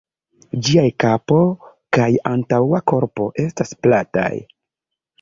Ĝiaj kapo kaj antaŭa korpo estas plataj.